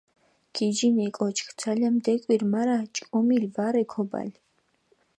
გიჯინ ე კოჩქ, ძალამი დეკვირ, მარა ჭკომილი ვარე ქობალი.